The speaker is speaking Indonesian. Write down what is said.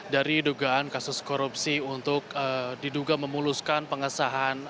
dari dugaan kasus korupsi untuk diduga memuluskan pengesahan